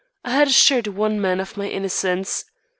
I had assured one man of my innocence!